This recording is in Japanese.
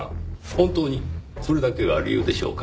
本当にそれだけが理由でしょうか？